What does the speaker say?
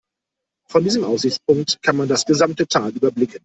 Von diesem Aussichtspunkt kann man das gesamte Tal überblicken.